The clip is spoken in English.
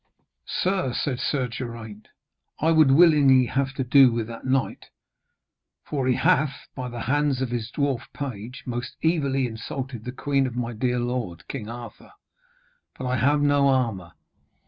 'Sir,' said Sir Geraint, 'I would willingly have to do with that knight, for he hath, by the hands of his dwarf page, most evilly insulted the queen of my dear lord, King Arthur; but I have no armour.'